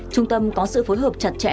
trung tâm có sự phối hợp chặt chẽ